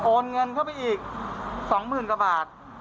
โอนเงินเข้าไปอีก๒หมื่นกว่าบาท